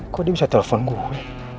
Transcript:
kok dia bisa telepon gue